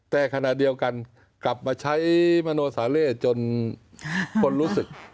แต่ขณะเดียวกันกลับมาใช้มโนสาเล่จนคนรู้สึก